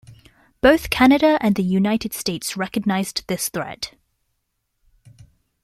Both Canada and the United States recognized this threat.